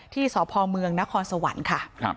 ที่สพเมืองนครสวรรค์ค่ะ